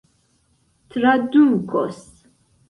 tradukos